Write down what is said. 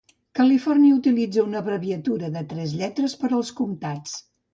Califòrnia utilitza una abreviatura de tres lletres per als comtats.